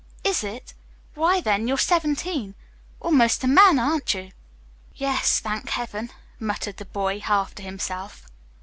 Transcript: "Is it? Why, then, you're seventeen; almost a man, aren't you?" "Yes, thank heaven," muttered the boy, half to himself.